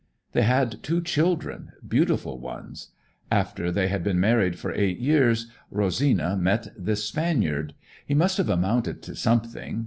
"They had two children, beautiful ones. After they had been married for eight years, Rosina met this Spaniard. He must have amounted to something.